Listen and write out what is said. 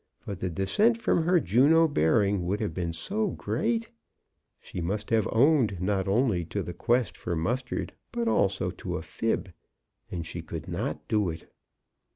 But the descent from her Juno bearing would have been so great ! She must have owned, not only to the quest for mustard, but also to a 14 CHRISTMAS AT THOMPSON HALL. fib — and she could not do it.